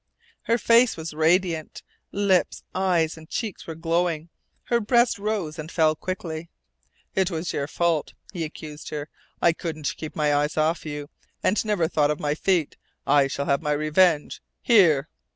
Her face was radiant. Lips, eyes, and cheeks were glowing. Her breast rose and fell quickly. "It was your fault!" he accused her. "I couldn't keep my eyes off you, and never thought of my feet. I shall have my revenge here!"